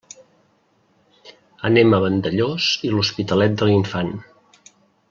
Anem a Vandellòs i l'Hospitalet de l'Infant.